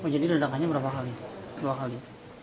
jadi ledakannya berapa kali dua kali